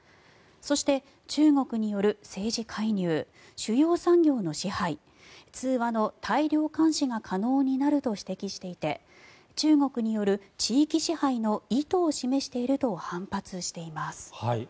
そして、中国による政治介入主要産業の支配通話の大量監視が可能になると指摘していて中国による地域支配の意図を示していると反発しています。